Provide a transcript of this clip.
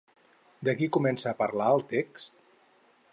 De qui comença a parlar el text?